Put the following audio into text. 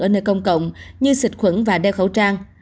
ở nơi công cộng như xịt khuẩn và đeo khẩu trang